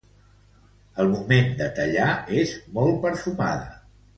Al moment de tallar, és molt perfumada.